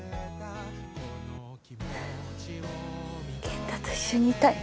健太と一緒にいたい。